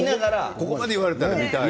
ここまで言われたら見たい。